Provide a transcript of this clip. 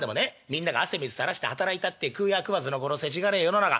みんなが汗水たらして働いたって食うや食わずのこのせちがれえ世の中。